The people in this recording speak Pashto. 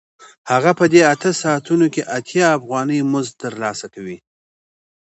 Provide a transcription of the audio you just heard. هغه په دې اته ساعتونو کې اتیا افغانۍ مزد ترلاسه کوي